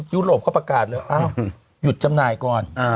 ยุโรปเขาประกาศเลยอ้าวหยุดจำนายก่อน